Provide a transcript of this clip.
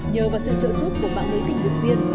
nhờ vào sự trợ giúp của mạng lưới tình nguyện viên